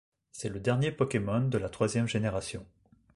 C'est le dernier Pokémon de la troisième génération.